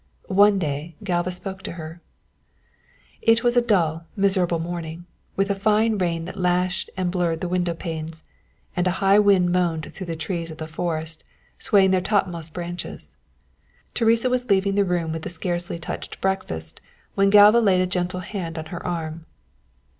One day Galva spoke to her. It was a dull and miserable morning, with a fine rain that lashed and blurred the windowpanes, and a high wind moaned through the trees of the forest, swaying their topmost branches. Teresa was leaving the room with the scarcely touched breakfast when Galva laid a gentle hand on her arm.